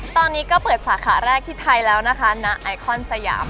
ตอนนี้ก็เปิดสาขาแรกที่ไทยแล้วนะคะณไอคอนสยาม